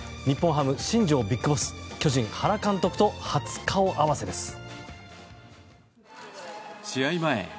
日本ハム、新庄ビッグボス巨人、原監督と初顔合わせです。